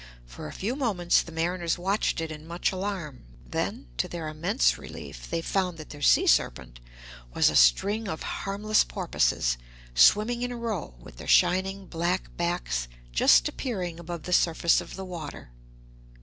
For a few moments the mariners watched it in much alarm; then, to their immense relief, they found that their 'sea serpent' was a string of harmless porpoises, swimming in a row, with their shining black backs just appearing above the surface of the water.